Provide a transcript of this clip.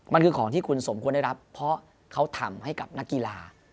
มันคือของที่คุณสมควรได้รับเพราะเขาทำให้กับนักกีฬา